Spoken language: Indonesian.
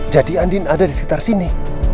jadi andin ada di sekitar sini